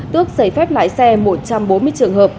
tước giấy phép lái xe một trăm bốn mươi trường hợp